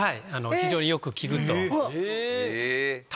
非常によく効くと。